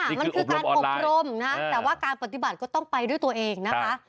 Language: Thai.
มันคือการอบรมนะแต่ว่าการปฏิบัติก็ต้องไปด้วยตัวเองนะคะ